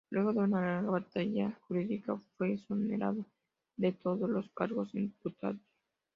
Luego de una larga batalla jurídica, fue exonerado de todos los cargos imputados.